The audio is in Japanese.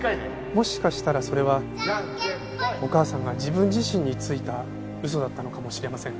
もしかしたらそれはお母さんが自分自身についた嘘だったのかもしれません。